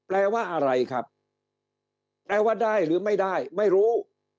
แปลว่าอะไรครับแปลว่าได้หรือไม่ได้ไม่รู้